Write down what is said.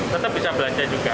tetap bisa belanja juga